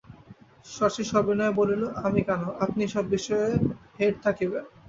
শশী সবিনয়ে বলিল, আমি কেন, আপনিই সব বিষয়ে হেড থাকিবেন।